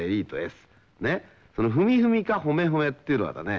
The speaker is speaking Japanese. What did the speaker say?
「ふみふみ」か「ほめほめ」っていうのはだね